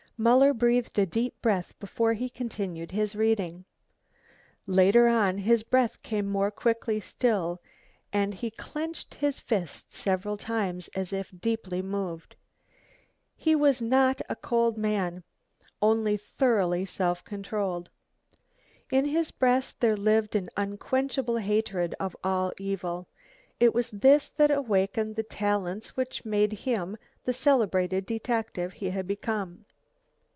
Muller breathed a deep breath before he continued his reading. Later on his breath came more quickly still, and he clinched his fist several times, as if deeply moved. He was not a cold man, only thoroughly self controlled. In his breast there lived an unquenchable hatred of all evil. It was this that awakened the talents which made him the celebrated detective he had become.